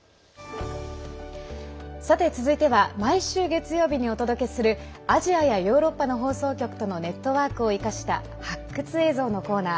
続いては毎週、月曜日にお届けするアジアやヨーロッパの放送局とのネットワークを生かした発掘映像のコーナー。